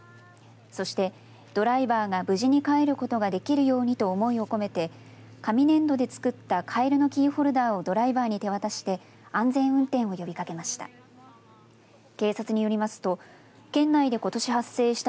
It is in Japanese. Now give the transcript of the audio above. そして、ドライバーが無事に帰ることができるようにと思いを込めて紙粘土でつくったカエルのキーホルダーをドライバーに手渡して安全運転を呼びかけました。